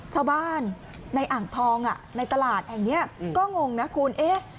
ชาวบ้านในอ่างทองในตลาดแห่งนี้ก็งงนะคุณเอ๊ะ